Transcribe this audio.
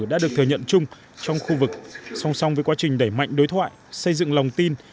đã được thừa nhận chung trong khu vực song song với quá trình đẩy mạnh đối thoại xây dựng lòng tin